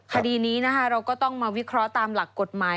คดีนี้นะคะเราก็ต้องมาวิเคราะห์ตามหลักกฎหมาย